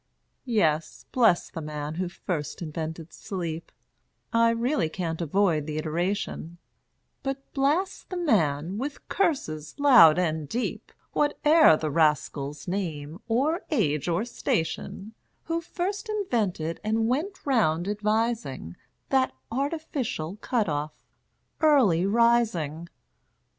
Yes; bless the man who first invented sleep (I really can't avoid the iteration); But blast the man, with curses loud and deep, Whate'er the rascal's name, or age, or station, Who first invented, and went round advising, That artificial cut off, Early Rising!